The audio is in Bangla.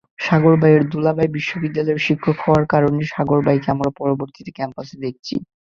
সাগর ভাইয়ের দুলাভাই বিশ্ববিদ্যালয়ের শিক্ষক হওয়ার কারণেই সাগর ভাইকে আমরা পরবর্তীতে ক্যাম্পাসে দেখেছি।